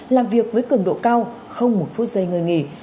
làm việc với cường độ cao không một phút giây ngơi nghỉ